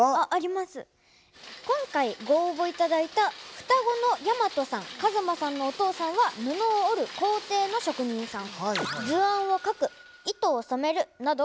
今回ご応募頂いた双子の大和さん和眞さんのお父さんは布を織る工程の職人さん。